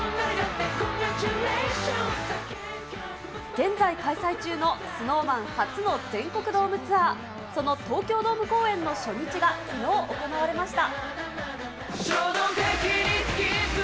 現在開催中のＳｎｏｗＭａｎ初の全国ドームツアー、その東京ドーム公演の初日がきのう行われました。